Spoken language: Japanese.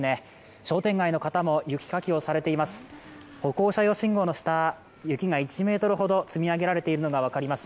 商店街の方も雪かきをされています。